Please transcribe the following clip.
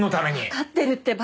わかってるってば！